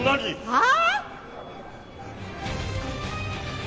ああ。